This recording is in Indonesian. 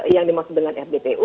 yang dimaksudkan rdpu